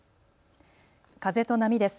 風と波です。